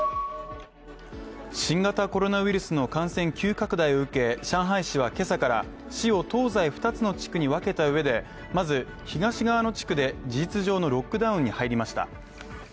新型コロナウイルスの感染急拡大を受け上海市は今朝から市を東西２つの地区に分けたうえで、まず、東側の地区で事実上のロックダウンに入りました。